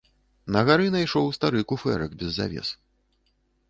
На гары найшоў стары куфэрак без завес.